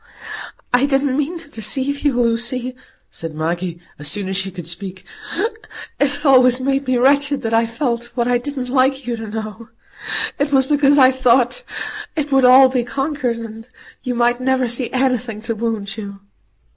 "I didn't mean to deceive you, Lucy," said Maggie, as soon as she could speak. "It always made me wretched that I felt what I didn't like you to know. It was because I thought it would all be conquered, and you might never see anything to wound you."